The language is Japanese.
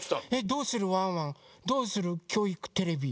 「どうするワンワンどうするきょういくテレビ」。